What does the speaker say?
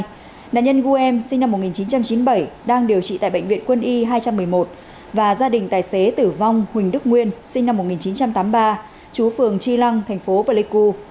đoàn công tác đã đến thăm hỏi hỗ trợ nạn nhân gun sinh năm một nghìn chín trăm chín mươi bảy đang điều trị tại bệnh viện quân y hai trăm một mươi một và gia đình tài xế tử vong huỳnh đức nguyên sinh năm một nghìn chín trăm tám mươi ba chú phường tri lăng thành phố pleiku